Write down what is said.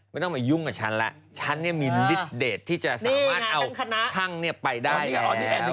ไม่ต้องมายุ่งกับฉันแล้วฉันเนี่ยมีฤทธเดทที่จะสามารถเอาช่างไปได้